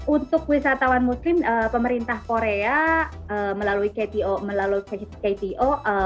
untuk wisatawan muslim pemerintah korea melalui kto